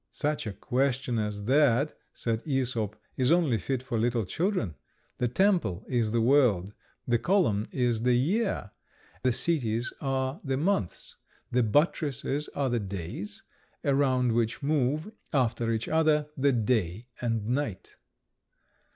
"Such a question as that," said Æsop, "is only fit for little children. The temple is the world; the column is the year; the cities are the months; the buttresses are the days; around which move, after each other, the day and night."